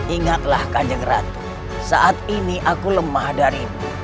ingatlah kanjeng ratu saat ini aku lemah darimu